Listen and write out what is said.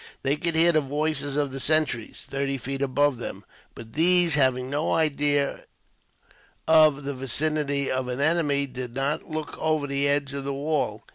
They could hear the voices of the sentries, thirty feet above them; but these, having no idea of the vicinity of an enemy, did not look over the edge of the wall.